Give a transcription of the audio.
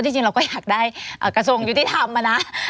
จริงเราก็อยากได้กระทรวงยุติธรรมนะ